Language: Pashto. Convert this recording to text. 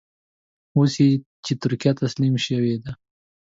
اوس چې ترکیه تسليم شوې ده.